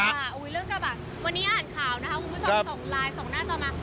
เรื่องกระบะวันนี้อ่านข่าวนะคะคุณผู้ชมส่งไลน์ส่งหน้าจอมา